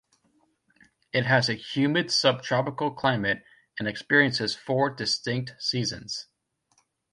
It has a humid subtropical climate and experiences four distinct seasons.